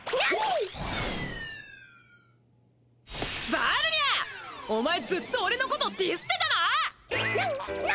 バルニャーお前ずっと俺のことディスってたなぁな